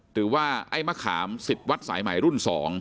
หรือว่าไอ้มะขามสิทธิ์วัดสายใหม่รุ่น๒